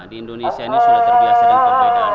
di indonesia ini sudah terbiasa dengan perbedaan